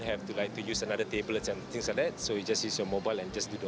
jadi tidak perlu menggunakan tablet lainnya kita hanya menggunakan mobil dan mengatur pesanan